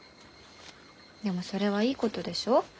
でもそれはいいことでしょ？